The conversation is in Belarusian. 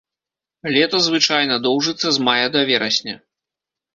Лета звычайна доўжыцца з мая да верасня.